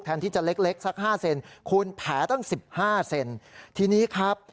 แทนที่จะเล็กสัก๕เซนคูณแผลตั้ง๑๕เซนทีนี้ครับ